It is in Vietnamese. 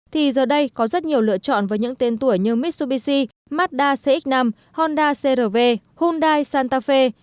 thì giờ đây có rất nhiều lựa chọn với những tên tuổi như mitsubishi mazda cx năm honda cr v hyundai santa fe